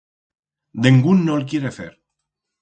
Dengún no'l quiere fer.